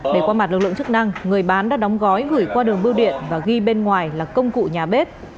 để qua mặt lực lượng chức năng người bán đã đóng gói gửi qua đường bưu điện và ghi bên ngoài là công cụ nhà bếp